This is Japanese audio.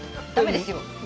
ダメですよ。